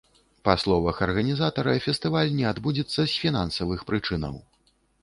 Па словах арганізатара, фестываль не адбудзецца з фінансавых прычынаў.